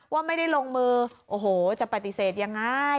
ว่าไม่ได้ลงมือโอ้โหจะปฏิเสธยังไง